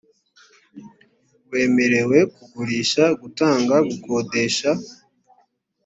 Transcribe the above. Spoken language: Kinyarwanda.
wemerewe kugurisha gutanga gukodesha